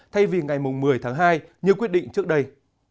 thay vì ngày một mươi tháng hai như quyết định trước đây